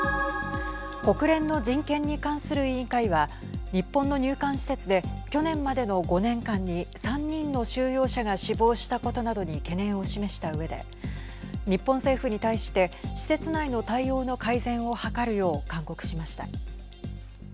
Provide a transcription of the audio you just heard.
国連の人権に関する委員会は日本の入管施設で去年までの５年間に３人の収容者が死亡したことなどに懸念を示したうえで日本政府に対して施設内の対応の改善を図るよう勧告しました。